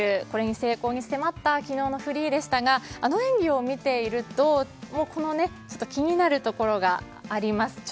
この成功に迫った昨日のフリーでしたがあの演技を見ていると気になるところがあります。